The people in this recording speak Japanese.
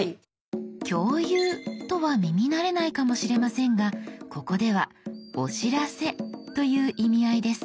「共有」とは耳慣れないかもしれませんがここでは「お知らせ」という意味合いです。